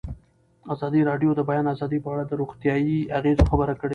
ازادي راډیو د د بیان آزادي په اړه د روغتیایي اغېزو خبره کړې.